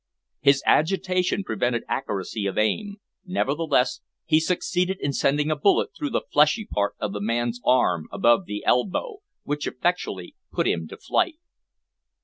His agitation prevented accuracy of aim; nevertheless he succeeded in sending a bullet through the fleshy part of the man's arm, above the elbow, which effectually put him to flight.